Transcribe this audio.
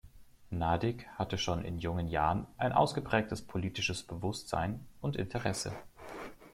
Nadig hatte schon in jungen Jahren ein ausgeprägtes politisches Bewusstsein und Interesse.